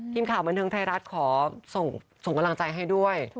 ทีมข่าวบันเทิงไทยรัฐขอส่งกำลังใจให้ด้วย